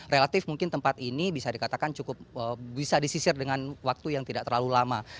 relatif mungkin tempat ini bisa dikatakan cukup bisa disisir dengan waktu yang tidak terlalu lama